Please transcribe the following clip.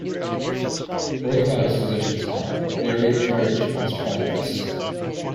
Brokaw and his physicians are "very encouraged with his progress".